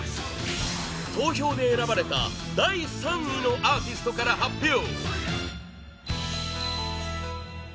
投票で選ばれた第３位のアーティストから発表